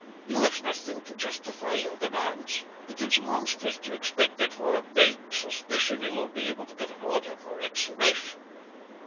You have nothing to justify your demands. It is monstrous to expect that for a vague suspicion you will be able to get an order for exhumation."